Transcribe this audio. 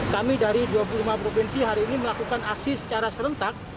kami dari dua puluh lima provinsi hari ini melakukan aksi secara serentak